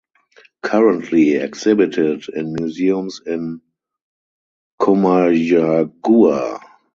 Currently exhibited in museums in Comayagua.